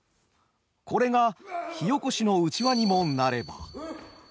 これが火おこしのうちわにもなれば。